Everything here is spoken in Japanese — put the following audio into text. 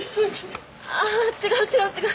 あ違う違う違う。